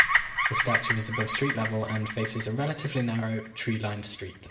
The statue is above street level and faces a relatively narrow, tree-lined street.